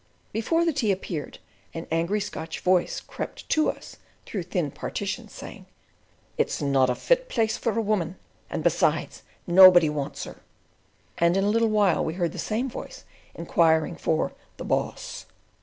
Before the tea appeared, an angry Scotch voice crept to us through thin partitions, saying: "It's not a fit place for a woman, and, besides, nobody wants her!" And in a little while we heard the same voice inquiring for "the Boss."